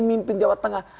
mimpin jawa tengah